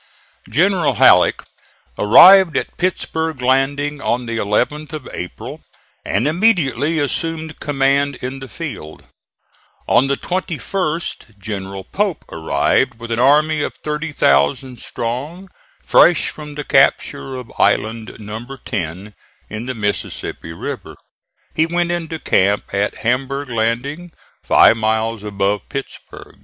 General Halleck arrived at Pittsburg landing on the 11th of April and immediately assumed command in the field. On the 21st General Pope arrived with an army 30,000 strong, fresh from the capture of Island Number Ten in the Mississippi River. He went into camp at Hamburg landing five miles above Pittsburg.